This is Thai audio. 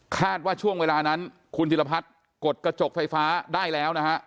คาดว่าช่วงเวลานั้นคุณธิรพัฒน์กดกระจกไฟฟ้าได้แล้วนะฮะ